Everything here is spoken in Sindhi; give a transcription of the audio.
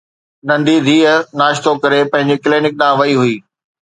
ننڍي ڌيءَ ناشتو ڪري پنهنجي ڪلينڪ ڏانهن وئي هئي